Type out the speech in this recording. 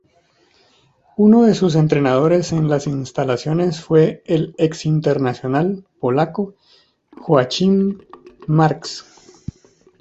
Uno de sus entrenadores en las instalaciones fue el ex internacional polaco Joachim Marx.